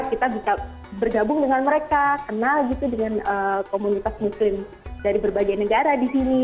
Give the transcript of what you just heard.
kita bisa bergabung dengan mereka kenal gitu dengan komunitas muslim dari berbagai negara di sini